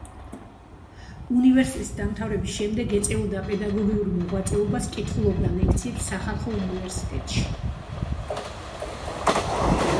უნივერისტეტის დამთავრების შემდეგ, ეწეოდა პედაგოგიურ მოღვაწეობას, კითხულობდა ლექციებს სახალხო უნივერსიტეტში.